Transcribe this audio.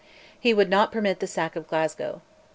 He would not permit the sack of Glasgow.